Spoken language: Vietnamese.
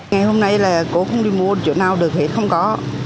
ngày hôm nay là cô không đi mua chỗ nào được hết không có